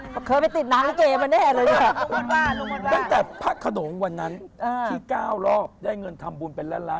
เพราะว่าเพลงไหนดังด้วย